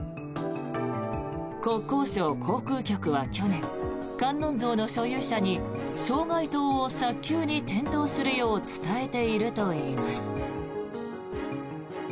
国交省航空局は去年観音像の所有者に障害灯を早急に点灯するようと伝えているといいます。